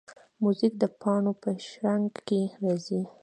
موزیک د پاڼو په شرنګ کې راځي.